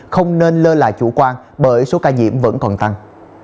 không nên lơ là chủ quan bởi số ca nhiễm vẫn còn tăng